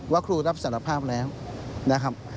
ครูรับสารภาพแล้วนะครับ